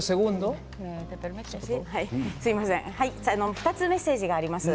２つメッセージがあります。